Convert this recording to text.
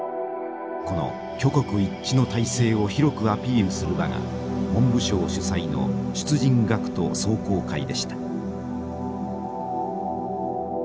この挙国一致の体制を広くアピールする場が文部省主催の出陣学徒壮行会でした。